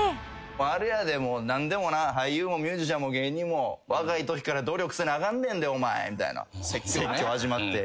「あれやで何でもな俳優もミュージシャンも芸人も若いときから努力せなあかんねんでお前」みたいな説教始まって。